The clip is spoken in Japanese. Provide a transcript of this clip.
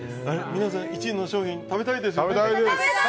皆さん、１位の商品食べたいですよね？